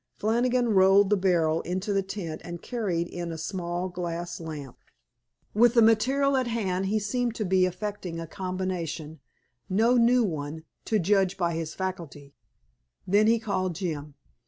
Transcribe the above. Flannigan rolled the barrel into the tent, and carried in a small glass lamp. With the material at hand he seemed to be effecting a combination, no new one, to judge by his facility. Then he called Jim.